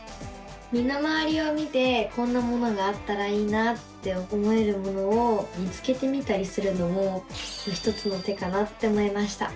身の回りを見てこんなものがあったらいいなって思えるものを見つけてみたりするのも一つの手かなって思いました。